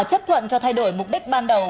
chấp thuận cho thay đổi mục đích ban đầu